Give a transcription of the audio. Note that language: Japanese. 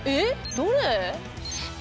どれ？